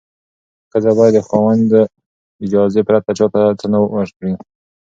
ښځه باید د خاوند اجازې پرته چا ته څه ورنکړي.